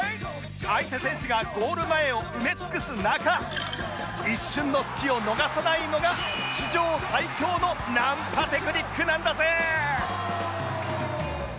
相手選手がゴール前を埋め尽くす中一瞬の隙を逃さないのが史上最強のナンパテクニックなんだぜ！